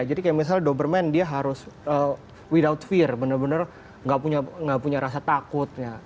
jadi misalnya doberman dia harus without fear bener bener gak punya rasa takut